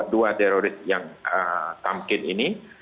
dua teroris yang tamkin ini